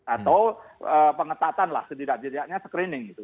atau pengetatanlah setidaknya screening gitu